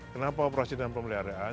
kenapa operasi dan pemeliharaan